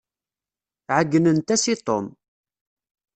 Ɛeyynent-as i Tom.